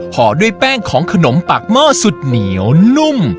ห่อด้วยแป้งของขนมปากหม้อสุดเหนียวนุ่ม